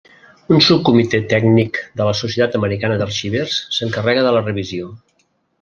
Un subcomité tècnic de la societat americana d'arxivers s'encarrega de la revisió.